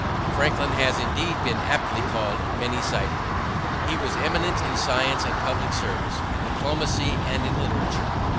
Franklin has indeed been aptly called "many sided." He was eminent in science and public service, in diplomacy and in literature.